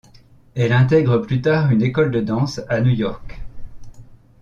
Elle intègre plus tard une école de danse à New York.